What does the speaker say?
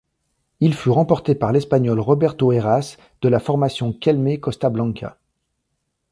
Il fut remporté par l'Espagnol Roberto Heras de la formation Kelme Costa-Blanca.